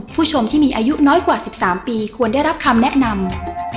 ผู้ชมที่มีอายุน้อยกว่า๑๓ปีควรได้รับคำแนะนำ